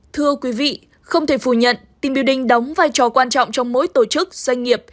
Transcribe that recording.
thưa quý vị không thể phủ nhận team building đóng vai trò quan trọng trong mỗi tổ chức doanh nghiệp